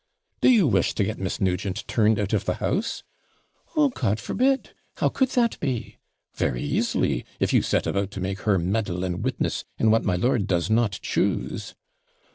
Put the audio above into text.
'Do you wish to get Miss Nugent turned out of the house?' 'Oh, God forbid! how could that be?' 'Very easily; if you set about to make her meddle and witness in what my lord does not choose.'